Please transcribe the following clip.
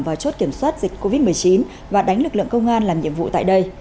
vào chốt kiểm soát dịch covid một mươi chín và đánh lực lượng công an làm nhiệm vụ tại đây